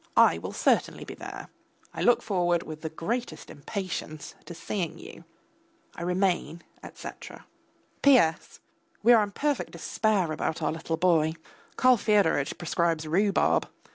I will certainly be there. I look forward with the greatest impatience to seeing you. I remain, etc. P.S. We are in perfect despair about our little boy. Karl Fyodoritch prescribes rhubarb.